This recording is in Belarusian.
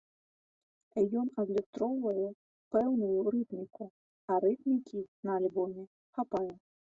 Ён адлюстроўвае пэўную рытміку, а рытмікі на альбоме хапае.